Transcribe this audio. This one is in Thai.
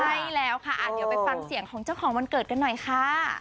ใช่แล้วค่ะเดี๋ยวไปฟังเสียงของเจ้าของวันเกิดกันหน่อยค่ะ